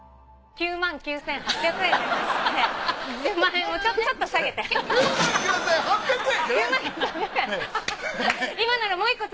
９９，８００円！